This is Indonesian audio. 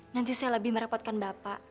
nanti saya lebih merepotkan bapak